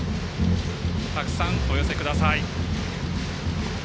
たくさんお寄せください。